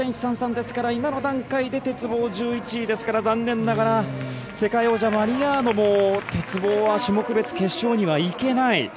ですから今の段階で鉄棒１１位ですから残念ながら世界王者マリアーノも鉄棒は種目別決勝には行けない。